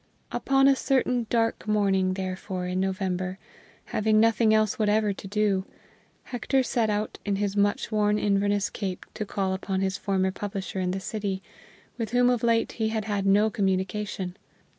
Upon a certain dark morning, therefore, in November, having nothing else whatever to do, Hector set out in his much worn Inverness cape to call upon his former publisher in the City, with whom of late he had had no communication.